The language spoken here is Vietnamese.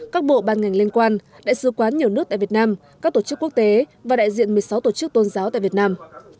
các bộ ban ngành liên quan đại sứ quán nhiều nước tại việt nam các tổ chức quốc tế và đại diện một mươi sáu tổ chức tôn giáo tại việt nam